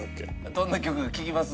どんな曲か聴きます？